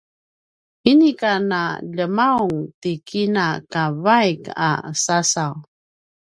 inika naljemaung ti kina ka vaik a sasaw